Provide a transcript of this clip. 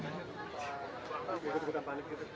selamat misi pak